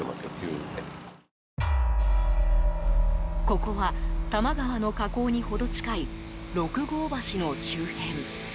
ここは、多摩川の河口に程近い六郷橋の周辺。